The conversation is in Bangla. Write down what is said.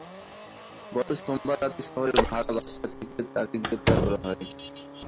গত সোমবার রাতে শহরের ভাড়া বাসা থেকে তাঁকে গ্রেপ্তার করা হয়।